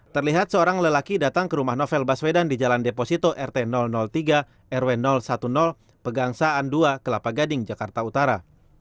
terlihat seorang lelaki datang ke rumah novel baswedan di jalan deposito rt tiga rw sepuluh pegangsaan dua kelapa gading jakarta utara